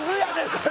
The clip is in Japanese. それ。